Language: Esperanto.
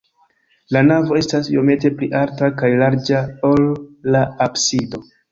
La navo estas iomete pli alta kaj larĝa, ol la absido.